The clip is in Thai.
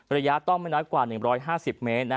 ระยะต้องไม่น้อยกว่า๑๕๐เมตร